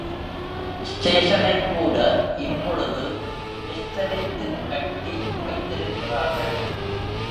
ஸ்டேஷனைக்கூட இப்பொழுது விஸ்தரித்துக் கட்டி வைத்திருக்கிறார்கள்.